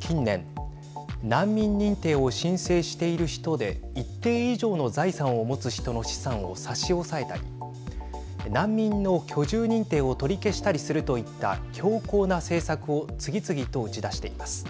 近年難民認定を申請している人で一定以上の財産を持つ人の資産を差し押さえたり難民の居住認定を取り消したりするといった強硬な政策を次々と打ち出しています。